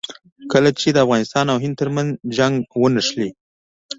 کله چې د افغانستان او هند ترمنځ جنګ ونښلي.